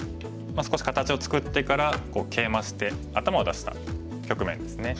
少し形を作ってからケイマして頭を出した局面ですね。